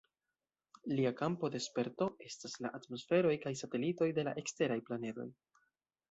Lia kampo de sperto estas la atmosferoj kaj satelitoj de la eksteraj planedoj.